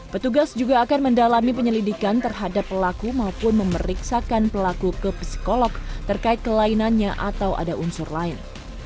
petugas juga akan mendalami penyelidikan terhadap pelaku maupun memeriksakan pelaku ke psikolog terkait kelainannya atau ada unsur lain